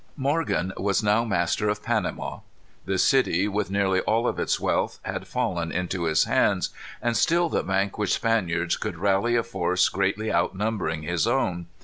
Morgan was now master of Panama. The city, with nearly all of its wealth, had fallen into his hands. And still the vanquished Spaniards could rally a force greatly outnumbering his own.